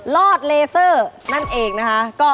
รอดเลเซอร์นั่นเองนะคะ